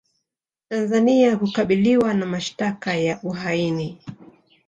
Tanzania kukabiliwa na mashtaka ya uhaini